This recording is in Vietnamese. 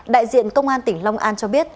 đại diện công an tỉnh long an cho biết